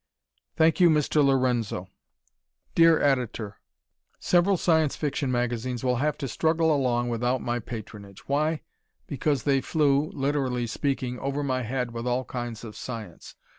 Thank You, Mr. Lorenzo Dear Editor: Several Science Fiction magazines will have to struggle along without my patronage. Why? Because they flew (literally speaking) over my head with all kinds of science.